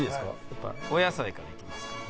やっぱお野菜からいきますから。